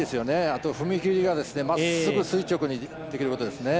あと踏切がまっすぐ垂直にできることですね。